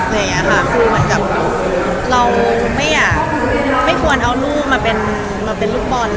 มีคงเหมือนกับเราไม่ควรเอาลูกมาเป็นลูกมนต์